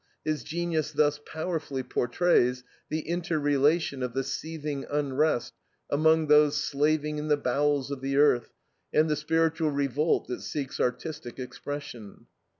His genius thus powerfully portrays the interrelation of the seething unrest among those slaving in the bowels of the earth, and the spiritual revolt that seeks artistic expression.